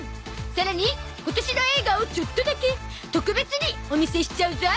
さらに今年の映画をちょっとだけ特別にお見せしちゃうゾ